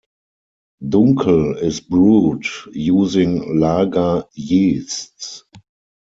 Dunkel is brewed using lager yeasts.